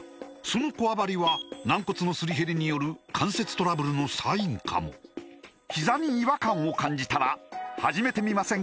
そのこわばりは軟骨のすり減りによる関節トラブルのサインかもひざに違和感を感じたら始めてみませんか